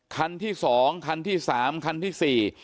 คันที่สองคันที่สามคันที่สี่